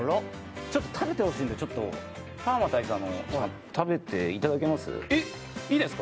ちょっと食べてほしいんで、パーマ大佐の食べていただけます？